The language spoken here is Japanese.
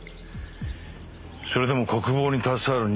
それでも国防に携わる人間ですか。